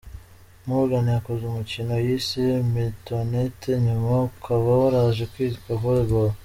Morgan yakoze umukino yise Mintonette, nyuma ukaba waraje kwitwa Volleyball.